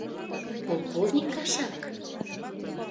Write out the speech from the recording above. Полковник кашак?